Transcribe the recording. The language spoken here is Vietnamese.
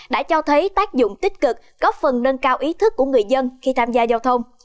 đã cho thấy tác dụng tích cực góp phần nâng cao ý thức của người dân khi tham gia giao thông